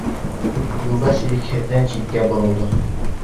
Юлдаш ирекһеҙҙән ситкә боролдо.